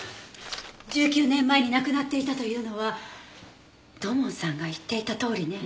１９年前に亡くなっていたというのは土門さんが言っていたとおりね。